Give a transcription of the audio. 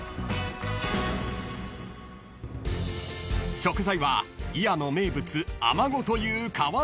［食材は祖谷の名物アマゴという川魚］